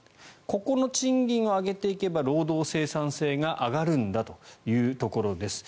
ここの賃金を上げていけば労働生産性が上がるんだというところです。